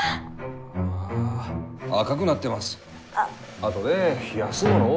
あとで冷やすものを。